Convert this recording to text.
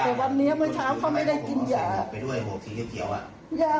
แต่วันเนี้ยเมื่อเช้าเขาไม่ได้กินยา